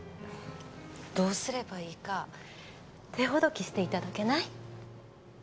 どうすればいいか手ほどきして頂けない？